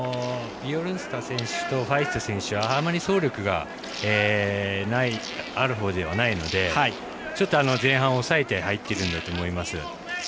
ビョルンスタ選手とファイスト選手はあんまり走力があるほうではないのでちょっと前半、抑えて入っているんだと思います。